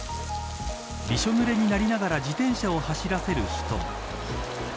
びしょぬれになりながら自転車を走らせる人も。